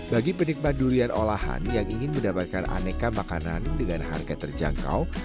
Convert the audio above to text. bagi penikmat durian olahan yang ingin mendapatkan aneka makanan dengan harga terjangkau